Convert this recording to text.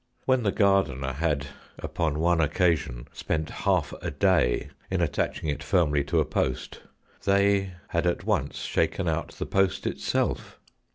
When the gardener had, upon one occasion, spent half a day in attaching it firmly to a post, they had at once shaken out the post itself.